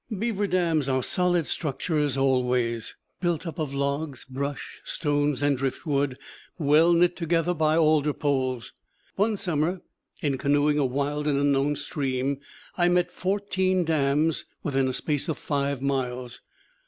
Beaver dams are solid structures always, built up of logs, brush, stones, and driftwood, well knit together by alder poles. One summer, in canoeing a wild, unknown stream, I met fourteen dams within a space of five miles.